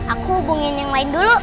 aku hubungin yang lain dulu